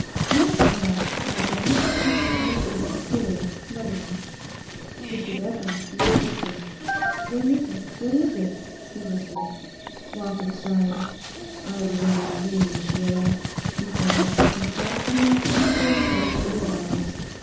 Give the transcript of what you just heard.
Minutes passed and at last the sleeper faintly stirred, muttering. Mr Bethany stooped quickly. 'What is it, what is it?' he whispered. Lawford sighed. 'I was only dreaming, Sheila,' he said, and softly, peacefully opened his eyes.